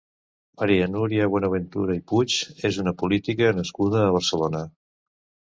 Maria Núria Buenaventura i Puig és una política nascuda a Barcelona.